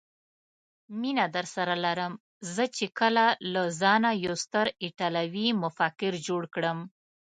مینه درسره لرم، زه چې کله له ځانه یو ستر ایټالوي مفکر جوړ کړم.